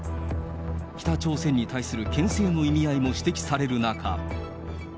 北朝鮮に対するけん制の意味合いも指摘される中。